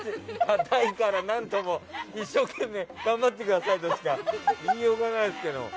堅いから、何とも一生懸命頑張ってくださいとしか言いようがないけど。